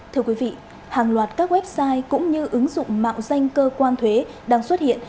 thưa quý vị hàng loạt các website cũng như ứng dụng mạo danh cơ quan thuế đang xuất hiện